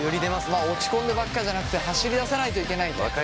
まあ落ち込んでばっかじゃなくて走りださないといけないと。